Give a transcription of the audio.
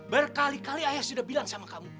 berkali kali ayah sudah bilang sama kamu